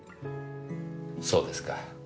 そうですか。